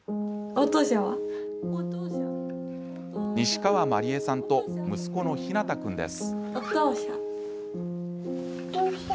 西川まりえさんと息子の陽向君です。